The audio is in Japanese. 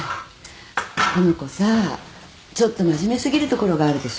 この子さちょっと真面目過ぎるところがあるでしょ？